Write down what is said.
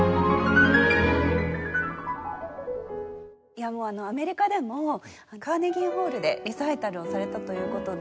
いやもうアメリカでもカーネギーホールでリサイタルをされたという事で。